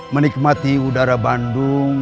menikmati udara bandung